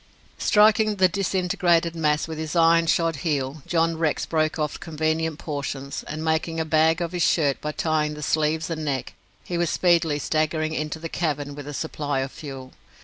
Striking the disintegrated mass with his iron shod heel, John Rex broke off convenient portions; and making a bag of his shirt by tying the sleeves and neck, he was speedily staggering into the cavern with a supply of fuel.